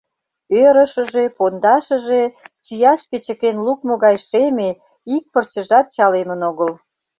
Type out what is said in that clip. Ӧрышыжӧ, пондашыже чияшке чыкен лукмо гай шеме, ик пырчыжат чалемын огыл.